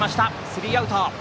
スリーアウト。